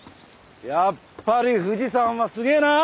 やっぱり富士山はすげえなあ！